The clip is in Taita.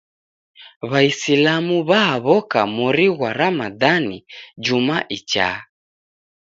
W'aisilamu w'aw'oka mori ghwa Ramadhani juma ichaa.